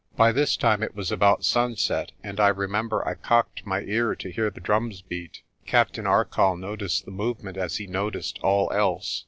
By this time it was about sunset, and I remember I cocked my ear to hear the drums beat. Captain Arcoll noticed the movement as he noticed all else.